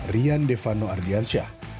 rian devano ardiansyah